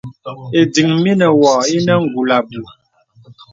Ìdiŋ mə̀ nə̀ wɔ̄ ònə kùl abùù.